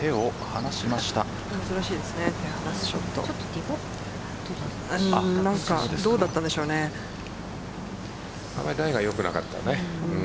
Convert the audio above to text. あまりライがよくなかったね。